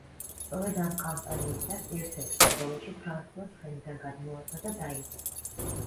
სწორედ ამ კამპანიისას, ერთ-ერთ ბრძოლაში ფრანსუა ცხენიდან გადმოვარდა და დაიღუპა.